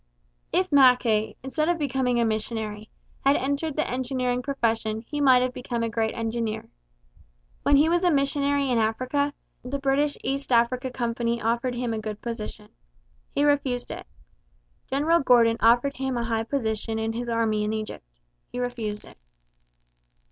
If Mackay, instead of becoming a missionary, had entered the engineering profession he might have become a great engineer. When he was a missionary in Africa, the British East Africa Company offered him a good position. He refused it. General Gordon offered him a high position in his army in Egypt. He refused it.